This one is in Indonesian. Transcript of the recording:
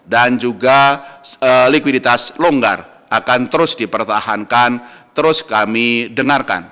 dan juga likuiditas longgar akan terus dipertahankan terus kami dengarkan